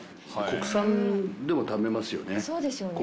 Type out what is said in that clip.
国産でも食べますよね。